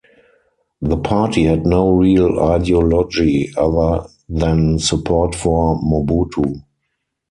The party had no real ideology other than support for Mobutu.